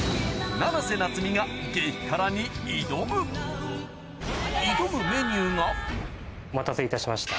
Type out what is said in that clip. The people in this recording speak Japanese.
七瀬なつみが激辛に挑む挑むメニューがお待たせいたしました。